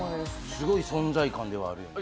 すごい存在感ではあるよね。